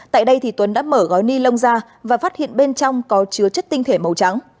tại đây tuấn đã mở gói ni lông ra và phát hiện bên trong có chứa chất tinh thể màu trắng